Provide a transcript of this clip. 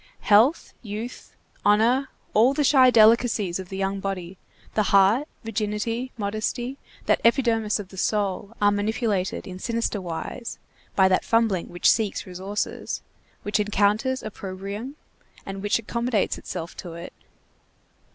Health, youth, honor, all the shy delicacies of the young body, the heart, virginity, modesty, that epidermis of the soul, are manipulated in sinister wise by that fumbling which seeks resources, which encounters opprobrium, and which accommodates itself to it.